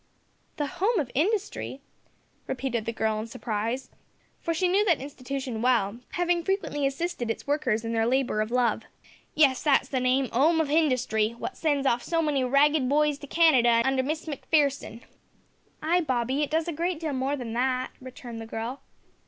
"The Home of Industry," repeated the girl in surprise, for she knew that Institution well, having frequently assisted its workers in their labour of love. "Yes, that's the name 'Ome of Hindustry, what sends off so many ragged boys to Canada under Miss Macpherson." "Ay, Bobby, it does a great deal more than that," returned the girl.